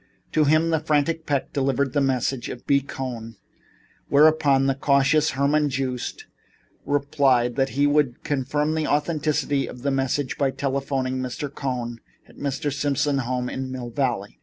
To him the frantic Peck delivered the message of B. Cohn, whereupon the cautious Herman Joost replied that he would confirm the authenticity of the message by telephoning to Mr. Cohn at Mr. Simon's home in Mill Valley.